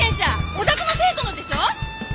お宅の生徒のでしょ！